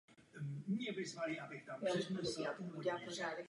Diskutuje se rovněž o řeckých statistikách.